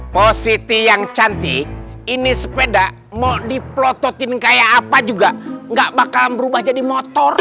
positi yang cantik ini sepeda mau dipelototin kayak apa juga gak bakal berubah jadi motor